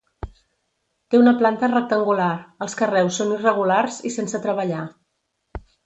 Té una planta rectangular, els carreus són irregulars i sense treballar.